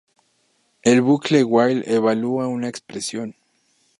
El bucle while evalúa una expresión.